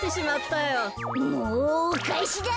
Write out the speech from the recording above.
もうおかえしだ！